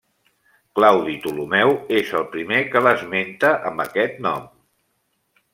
Claudi Ptolemeu és el primer que l'esmenta amb aquest nom.